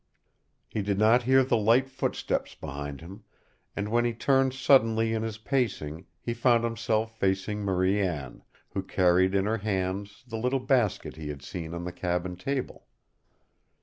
He did not hear the light footsteps behind him, and when he turned suddenly in his pacing, he found himself facing Marie Anne, who carried in her hands the little basket he had seen on the cabin table.